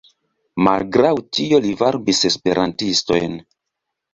Malgraŭ tio li varbis Esperantistojn.